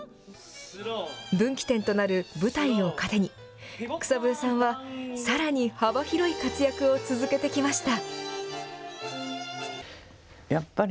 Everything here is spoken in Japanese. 分岐点となる舞台を糧に、草笛さんはさらに幅広い活躍を続けてきました。